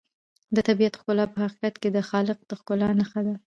د طبیعت ښکلا په حقیقت کې د خالق د ښکلا نښه ده.